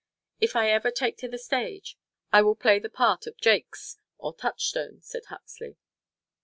"If I ever take to the stage, I will play the part of Jacques or Touchstone," said Huxley.